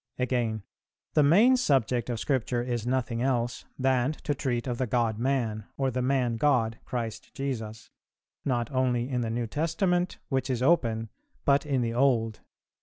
"[340:1] Again: "The main subject of Scripture is nothing else than to treat of the God Man, or the Man God, Christ Jesus, not only in the New Testament, which is open, but in the Old.